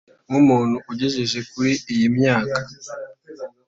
Nk’umuntu ugejeje kuri iyi myaka